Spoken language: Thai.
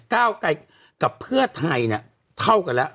ก้าวไกลกับเพื่อไทยเนี่ยเท่ากันแล้ว